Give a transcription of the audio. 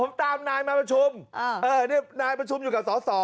ผมตามนายมาประชุมนายประชุมอยู่กับสอสอ